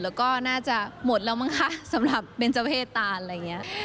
แล้วก็น่าจะหมดแล้วมั้งคะสำหรับเบนเจ้าเพศตานอะไรอย่างนี้